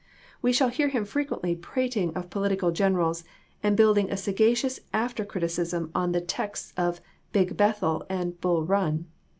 We shall hear him frequently, prating of political generals, and building a sagacious after criticism on the texts of Big Bethel and Bull Run.